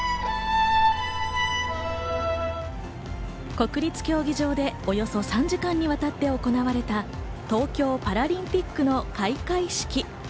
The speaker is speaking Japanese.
国立競技場でおよそ３時間にわたって行われた東京パラリンピックの開会式。